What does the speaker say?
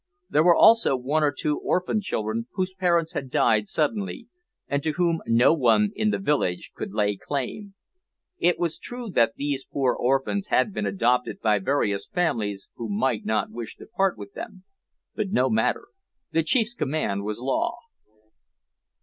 There were also one or two orphan children whose parents had died suddenly, and to whom no one in the village could lay claim. It was true that these poor orphans had been adopted by various families who might not wish to part with them; but no matter, the chief's command was law.